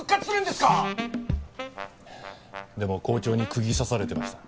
でも校長に釘刺されてました。